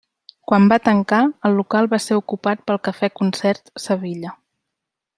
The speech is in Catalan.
Quan va tancar, el local va ser ocupat pel cafè-concert Sevilla.